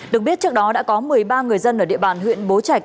được biết trước đó đã có một mươi ba người dân ở địa bàn huyện bố trạch